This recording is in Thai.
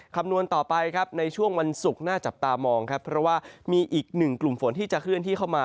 คำนวณต่อไปครับในช่วงวันศุกร์หน้าจับตามองครับเพราะว่ามีอีกหนึ่งกลุ่มฝนที่จะเคลื่อนที่เข้ามา